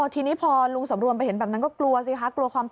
อ๋อทีนี้พอลุงสำรวมไปเห็นแบบนั้นก็กลัวสิคะ